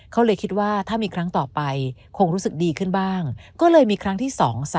เขาเลยคิดว่าถ้ามีครั้งต่อไปคงรู้สึกดีขึ้นบ้างก็เลยมีครั้งที่๒๓